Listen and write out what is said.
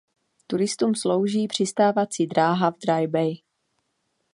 Turistům slouží přistávací dráha v Dry Bay.